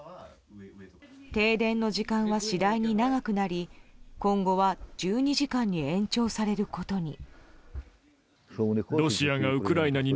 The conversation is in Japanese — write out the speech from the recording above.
停電の時間は、次第に長くなり今後は１２時間に延長されることに。